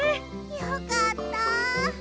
よかった。